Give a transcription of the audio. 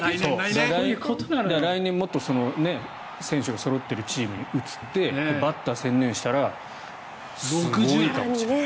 来年もっと選手がそろっているチームに移ってバッター専念したらすごいかもしれない。